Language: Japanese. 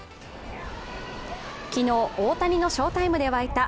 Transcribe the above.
昨日、大谷の翔タイムで沸いた